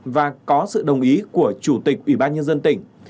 và có sự đồng ý của chủ tịch ủy ban nhân dân tỉnh